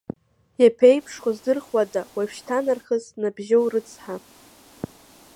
Иаԥеиԥшхо здырхуада уажәшьҭарнахыс Набжьоу рыцҳа?!